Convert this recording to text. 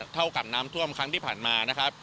เท่ากับน้ำท่วมครั้งที่ผ่านมานะครับ